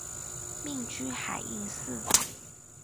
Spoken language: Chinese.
命居海印寺。